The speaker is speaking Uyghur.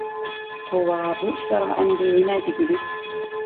توۋا، بۇ ئىشلارغا ئەمدى نېمە دېگۈلۈك؟